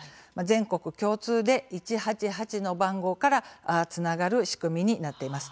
全国共通で１８８の番号からつながる仕組みになっています。